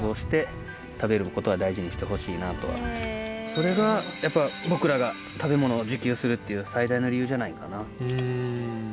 それがやっぱ僕らが食べ物を自給するっていう最大の理由じゃないかな。